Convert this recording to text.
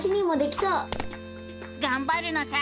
がんばるのさ！